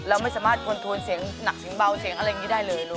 เราไม่สามารถคอนโทนเสียงหนักเสียงเบาเสียงอะไรอย่างนี้ได้เลยลูก